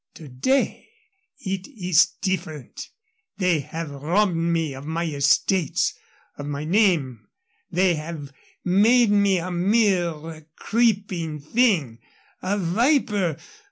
To day it is different. They have robbed me of my estates, of my name; they have made me a mere creeping thing a viper.